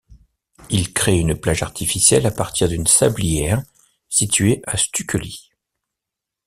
Il crée une plage artificielle à partir d'une sablière située à Stukely.